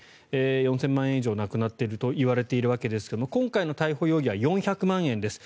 ４０００万円以上なくなっているといわれているわけですが今回の逮捕容疑は４００万円です。